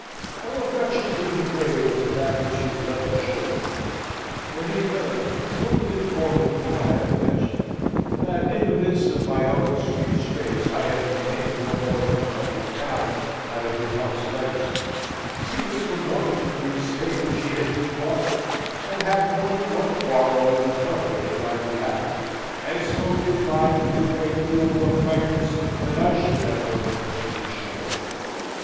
No affection could be greater than that which his letters showed. When he heard (from the informant whom I have mentioned) that in the midst of my own extreme straits I had retained no more than a hundred pounds out of his aunt's legacy, he was for mortgaging the estate which he had just bought; and had more than one quarrel with his mother in my behalf, and spoke his mind with a great deal more frankness than I should ever have ventured to show.